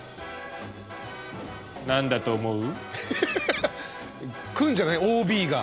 何だと思う？